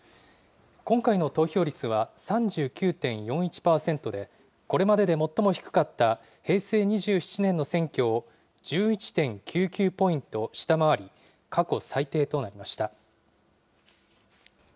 今回の投票率は３９．４１％で、これまでで最も低かった平成２７年の選挙を１１．９９ポイント下回り、過去最低となりました。